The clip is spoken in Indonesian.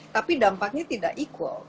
tapi dampaknya tidak equal